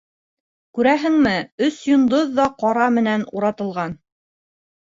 Күрәһеңме, өс йондоҙ ҙа ҡара менән уратылған.